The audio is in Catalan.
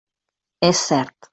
És cert.